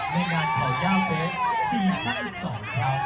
ในงานข่าวย่าเฟส๔นาที๒ครับ